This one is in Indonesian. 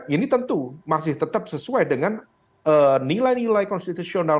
ini tentu masih tetap sesuai dengan nilai nilai konstitusional